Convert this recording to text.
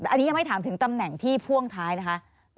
อันนี้ยังไม่ถามถึงตำแหน่งที่พ่วงท้ายนะคะ